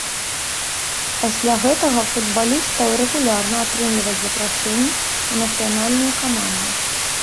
Пасля гэтага футбаліст стаў рэгулярна атрымліваць запрашэнні ў нацыянальную каманду.